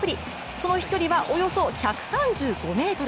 その飛距離はおよそ１３５ｍ。